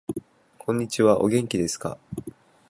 こんにちはお元気ですか